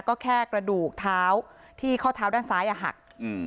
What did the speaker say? ก็แค่กระดูกเท้าที่ข้อเท้าด้านซ้ายอ่ะหักอืม